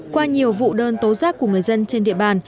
qua nhiều vụ đơn tố giác của người dân trên địa bàn